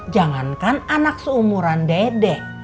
jangankan anak seumuran dede